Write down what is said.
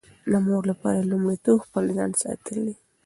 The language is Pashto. د مور لپاره لومړیتوب خپل ځان ساتل دي.